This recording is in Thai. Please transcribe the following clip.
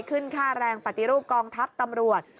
ขึ้นค่าแรงปฏิรูปกองทัพตำรวจ